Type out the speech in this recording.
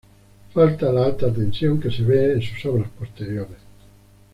Falta la alta tensión que se ve en sus obras posteriores.